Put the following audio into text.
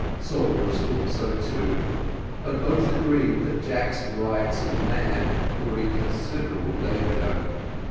Sawbridge thought so too but both agreed that Jack's rights of man were in considerable danger.